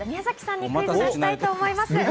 宮崎さんに出題したいと思います。